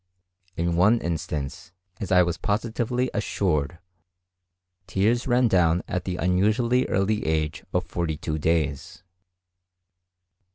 In one instance, as I was positively assured, tears ran down at the unusually early age of 42 days.